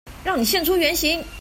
讓你現出原形！